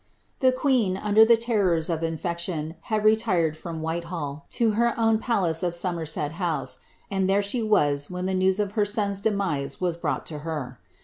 Tlie queen, under the terrors of infection, had retired from Whitehall, to her own palace of Somerset House, and there she was when the ia^'>' of her sou's demise was brought to her.